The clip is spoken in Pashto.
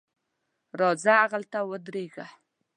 راځه هغلته ودرېږه.